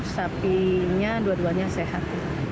sapinya dua duanya sehat